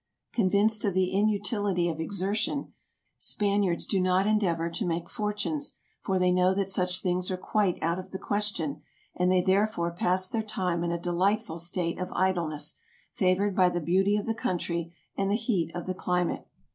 Convinced of the inutility of exertion, Spaniards do not endeavor to make fortunes, for they know that such things are quite out of the question ; and they there fore pass their time in a delightful state of idleness, favored by the beauty of the country and the heat of the climate.